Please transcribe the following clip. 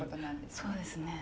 そうですね。